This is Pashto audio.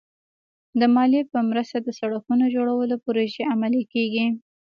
د مالیې په مرسته د سړکونو جوړولو پروژې عملي کېږي.